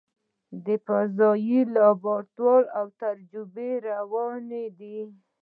د فضایي لابراتوار تجربې روانې دي.